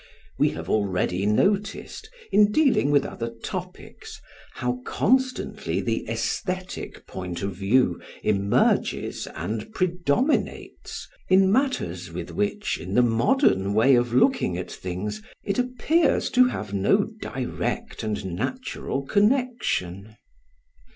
We have already noticed, in dealing with other topics, how constantly the aesthetic point of view emerges and predominates in matters with which, in the modern way of looking at things, it appears to have no direct and natural connection.